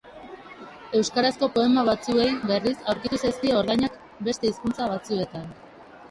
Euskarazko poema batzuei, berriz, aurkitu zaizkie ordainak beste hizkuntza batzuetan.